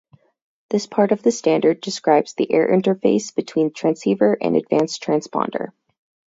This part of the standard describes the air interface between transceiver and advanced transponder.